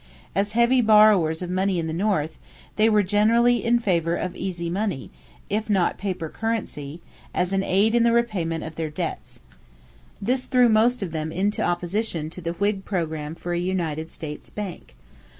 As heavy borrowers of money in the North, they were generally in favor of "easy money," if not paper currency, as an aid in the repayment of their debts. This threw most of them into opposition to the Whig program for a United States Bank.